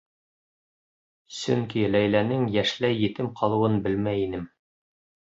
Сөнки Ләйләнең йәшләй етем ҡалыуын белмәй инем.